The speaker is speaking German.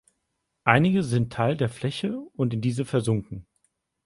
Einige sind Teil der Fläche und in diese versunken.